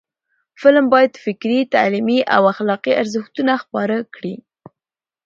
فلم باید فکري، تعلیمي او اخلاقی ارزښتونه خپاره کړي